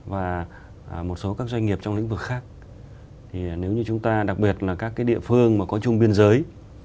và một số các doanh nghiệp trong lĩnh vực khác thì nếu như chúng ta đặc biệt là các cái địa phương mà có chung biên giới